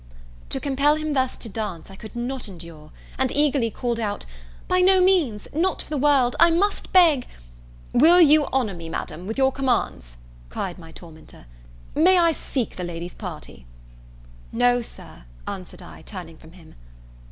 To compel him thus to dance, I could not endure; and eagerly called out, "By no means not for the world! I must beg " "Will you honour me, Madam, with your commands," cried my tormentor; "may I seek the lady's party?" "No, Sir," answered I, turning from him.